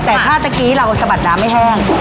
แต่ถ้าเมื่อกี้เราสะบัดน้ำไม่แห้ง